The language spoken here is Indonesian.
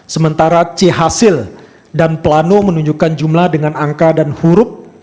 sementara c hasil dan pelanu menunjukkan jumlah dengan angka dan huruf